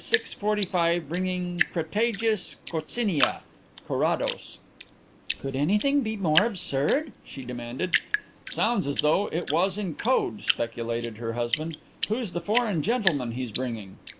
45 bringing Crataegus Coccinea._ CARRADOS. "Could anything be more absurd?" she demanded. "Sounds as though it was in code," speculated her husband. "Who's the foreign gentleman he's bringing?"